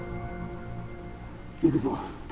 行くぞ。